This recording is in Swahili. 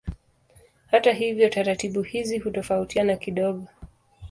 Hata hivyo taratibu hizi hutofautiana kidogo.